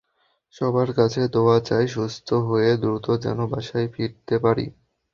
সবার কাছে দোয়া চাই, সুস্থ হয়ে দ্রুত যেন বাসায় ফিরতে পারি।